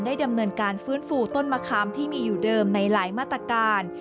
ดำเนินการฟื้นฟูต้นมะขามที่มีอยู่เดิมในหลายมาตรการ